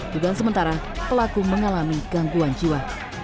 dugaan sementara pelaku mengalami gangguan jiwa